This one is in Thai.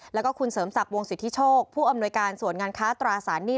แล้วก็คุณเสริมศักดิ์วงสิทธิโชคผู้อำนวยการส่วนงานค้าตราสารหนี้